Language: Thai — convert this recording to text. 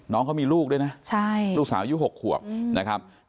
น้องเขามีลูกด้วยนะลูกสาวอายุ๖ขวก